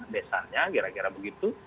desanya kira kira begitu